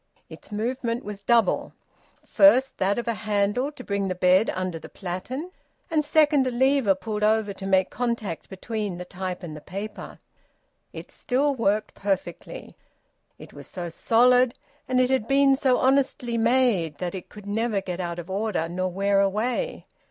Its movement was double: first that of a handle to bring the bed under the platen, and second, a lever pulled over to make contact between the type and the paper. It still worked perfectly. It was so solid, and it had been so honestly made, that it could never get out of order nor wear away.